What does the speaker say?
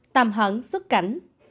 một tạm hẳn xuất cảnh